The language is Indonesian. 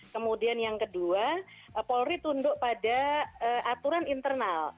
kemudian yang kedua polri tunduk pada aturan internal